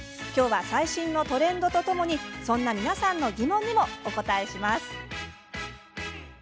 きょうは最新のトレンドとともにそんな皆さんの疑問にもお答えします。